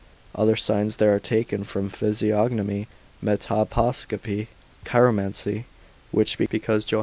Other signs there are taken from physiognomy, metoposcopy, chiromancy, which because Joh.